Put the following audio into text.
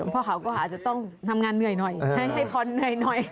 หลวงพ่อข่าก็อาจจะต้องทำงานเหนื่อยหน่อยให้พลเหนื่อยหน่อย